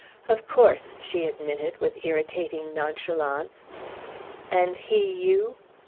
"Of course," she admitted, with irritating nonchalance. "And he you?"